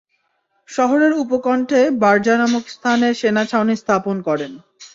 শহরের উপকণ্ঠে বারযাহ্ নামক স্থানে সেনা ছাউনি স্থাপন করেন।